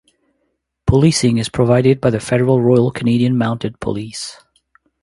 Policing is provided by the federal Royal Canadian Mounted Police.